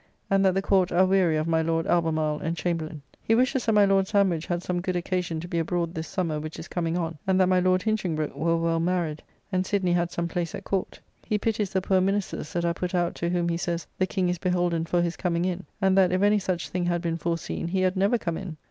And that the Court are weary of my Lord Albemarle and Chamberlin. He wishes that my Lord Sandwich had some good occasion to be abroad this summer which is coming on, and that my Lord Hinchingbroke were well married, and Sydney had some place at Court. He pities the poor ministers that are put out, to whom, he says, the King is beholden for his coming in, and that if any such thing had been foreseen he had never come in.